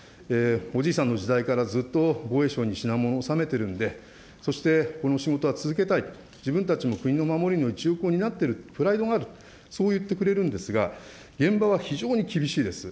おじいさんの時代からずっと防衛省に品物を納めてるんで、そしてこの仕事は続けたい、自分たちの国の守りの一翼を担っているプライドがある、そういってくれるんですが、現場は非常に厳しいです。